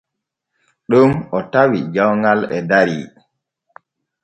Ɗon o tawi jawŋal e dari.